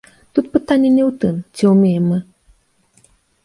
Тут пытанне не ў тым, ці ўмеем мы.